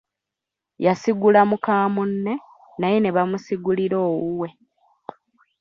Yasigula muka munne, naye n’ebamusigulira owuwe.